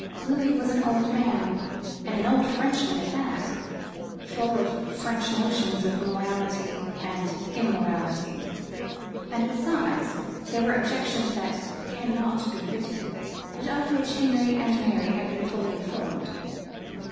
Louis was an old man, and an old Frenchman at that; full of French notions of morality and immorality; and besides, there were objections that cannot be written, but of which Henry and Mary had been fully informed.